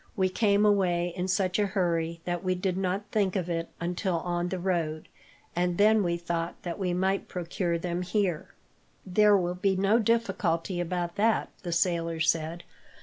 "We came away in such a hurry that we did not think of it until on the road, and then we thought that we might procure them here." "There will be no difficulty about that," the sailor said.